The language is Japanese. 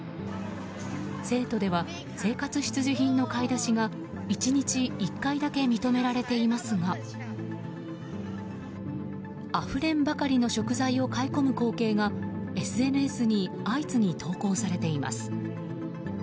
成都では生活必需品の買い出しが１日１回だけ認められていますがあふれんばかりの食材を買い込む光景がＳＮＳに相次ぎ投稿されています。